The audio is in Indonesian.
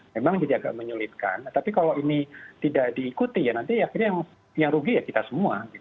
memang jadi agak menyulitkan tapi kalau ini tidak diikuti ya nanti akhirnya yang rugi ya kita semua